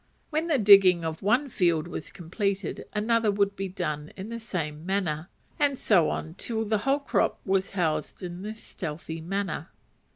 When the digging of one field was completed another would be done in the same manner, and so on till the whole crop was housed in this stealthy manner.